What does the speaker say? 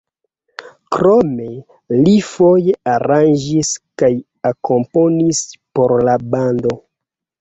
Krome li foje aranĝis kaj komponis por la bando.